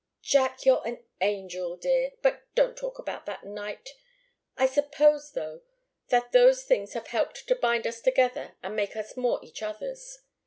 "Jack you're an angel, dear! But don't talk about that night. I suppose, though, that those things have helped to bind us together and make us more each other's.